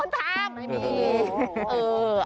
ไม่มี